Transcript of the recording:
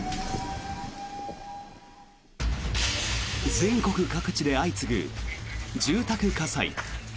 全国各地で相次ぐ住宅火災。